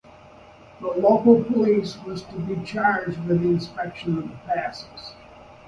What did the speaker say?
The local police was to be charged with the inspection of the passes.